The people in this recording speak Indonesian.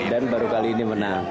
baru kali ini menang